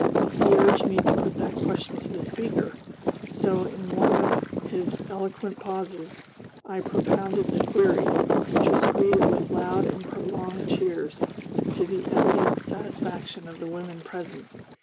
He urged me to put that question to the speaker; so, in one of his eloquent pauses, I propounded the query, which was greeted with loud and prolonged cheers, to the evident satisfaction of the women present.